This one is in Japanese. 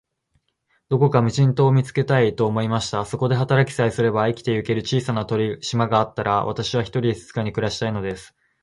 どこか無人島を見つけたい、と思いました。そこで働きさえすれば、生きてゆける小さな島があったら、私は、ひとりで静かに暮したいのです。